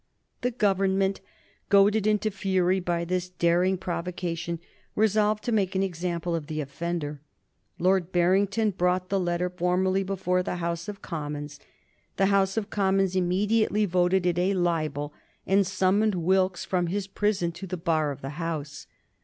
The Government, goaded into fury by this daring provocation, resolved to make an example of the offender. Lord Barrington brought the letter formally before the House of Commons. The House of Commons immediately voted it a libel, and summoned Wilkes from his prison to the bar of the House.